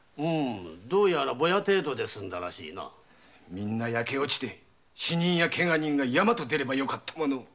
皆焼け落ちて死人やケガ人が山とでればよかったものを！